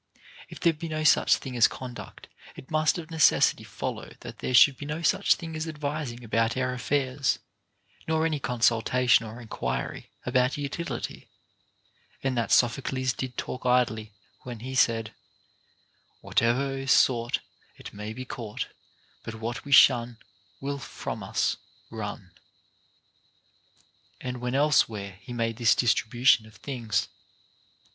If there be no such thing as conduct, it must of necessity follow, that there should be no such thing as advising about our affairs, nor any con sultation or enquiry about utility ; and that Sophocles did talk idly when he said : Wliate'er is sought, It may be caught ; But what we shun Will from us run ;* and when elsewhere he made this distribution of things